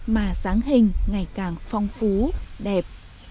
mà dáng hình ngày càng phong phú đẹp